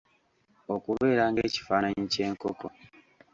Okubeera ng'ekifaananyi ky'enkoko